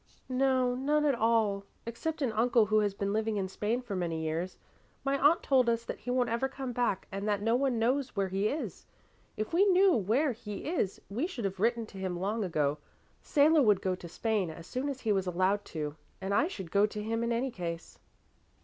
"No, none at all, except an uncle who has been living in Spain for many years. My aunt told us that he won't ever come back and that no one knows where he is. If we knew where he is, we should have written to him long ago. Salo would go to Spain as soon as he was allowed to and I should go to him in any case."